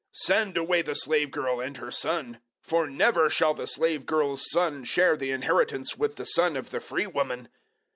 "Send away the slave girl and her son, for never shall the slave girl's son share the inheritance with the son of the free woman."